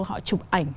họ chụp ảnh